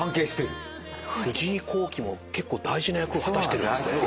輝も結構大事な役を果たしてるんですね。